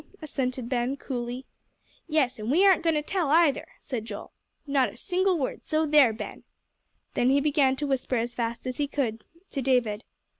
assented Ben, coolly. "Yes, and we aren't goin' to tell, either," said Joel, "not a single word; so there, Ben!" Then he began to whisper as fast as he could to David.